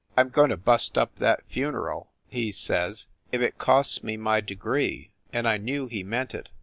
"I m going to bust up that funeral," he says, "if it costs me my degree !" And I knew he meant it.